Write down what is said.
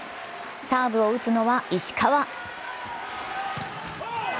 サーブを打つのは石川。